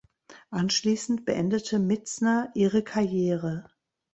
Anschließend beendete Mietzner ihre Karriere.